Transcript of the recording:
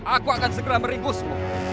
aku akan segera meringkusmu